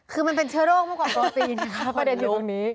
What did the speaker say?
คือมันเป็นเชื้อโรคเมื่อก่อนโปรตีนนะคะประเด็นอยู่ตรงนี้